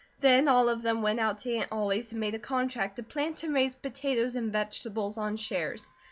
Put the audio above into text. Then all of them went out to Aunt Ollie's and made a contract to plant and raise potatoes and vegetables on shares.